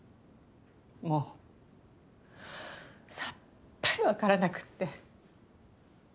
もうさっぱりわからなくて。